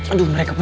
aduh mereka berdua